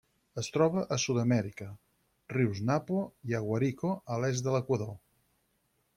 Es troba a Sud-amèrica: rius Napo i Aguarico a l'est de l'Equador.